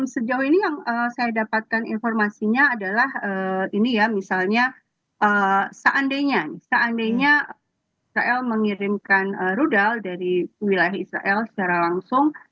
sejauh ini yang saya dapatkan informasinya adalah ini ya misalnya seandainya seandainya israel mengirimkan rudal dari wilayah israel secara langsung